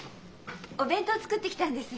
お弁当作ってきたんです。